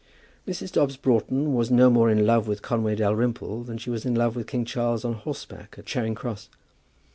Mrs. Dobbs Broughton was no more in love with Conway Dalrymple than she was in love with King Charles on horseback at Charing Cross.